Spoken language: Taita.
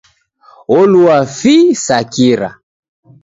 Olua fii sa kira.